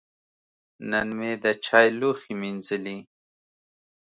نن مې د چای لوښی مینځلي.